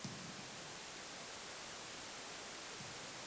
هغه هم د کلي پخې ډوډۍ ته تیار او راضي وو.